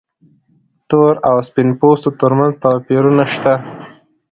تور او سپین پوستو تر منځ توپیرونه شته.